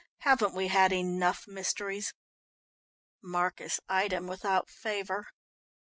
"Haven't we had enough mysteries?" Marcus eyed him without favour.